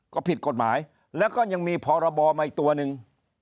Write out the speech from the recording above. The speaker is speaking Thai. ก็ผิดกฎหมายแล้วก็ยังมีพรบมาอีกตัวหนึ่ง